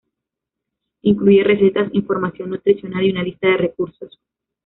Incluye recetas, información nutricional y una lista de recursos.